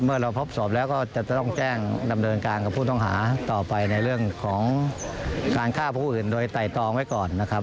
เราพบศพแล้วก็จะต้องแจ้งดำเนินการกับผู้ต้องหาต่อไปในเรื่องของการฆ่าผู้อื่นโดยไต่ตองไว้ก่อนนะครับ